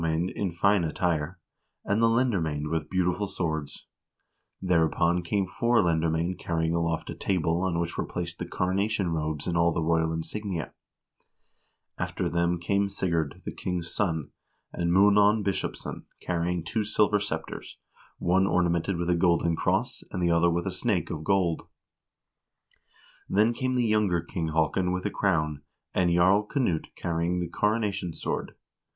king haakon's coronation, colonial affairs 421 sysselmamd in fine attire, and the lendermaend with beautiful swords ; thereupon came four lendermoend carrying aloft a table on which were placed the coronation robes and all the royal insignia; after them came Sigurd, the king's son, and Munaan Bishopsson carrying two silver scepters, one ornamented with a golden cross, and the other with a snake of gold ; then came the younger King Haakon l with the crown, and Jarl Knut carrying the coronation sword.